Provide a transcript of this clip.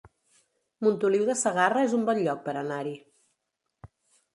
Montoliu de Segarra es un bon lloc per anar-hi